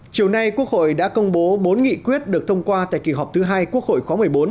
chiều nay quốc hội đã công bố bốn nghị quyết được thông qua tại kỳ họp thứ hai quốc hội khóa một mươi bốn